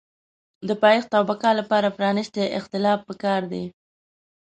د پایښت او بقا لپاره پرانیستی اختلاف پکار دی.